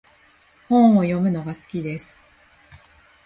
本を読むのが好きです。